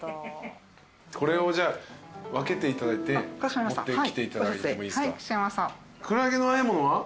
これをじゃあ分けていただいて持ってきていただいてもいいですか？